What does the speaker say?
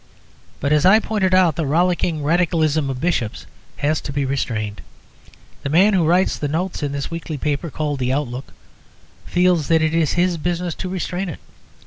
But (as I pointed out) the rollicking Radicalism of Bishops has to be restrained. The man who writes the notes in the weekly paper called the Outlook feels that it is his business to restrain it.